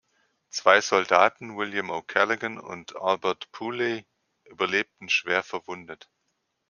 Zwei Soldaten, William O’Callaghan und Albert Pooley, überlebten schwer verwundet.